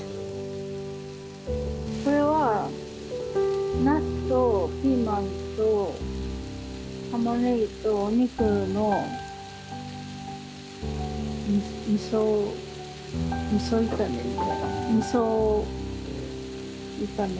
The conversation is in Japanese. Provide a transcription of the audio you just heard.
これはナスとピーマンとたまねぎとお肉のみそみそ炒めみそ炒めかな。